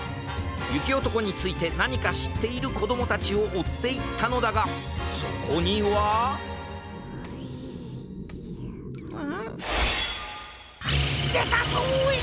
ゆきおとこについてなにかしっているこどもたちをおっていったのだがそこにはでたぞい！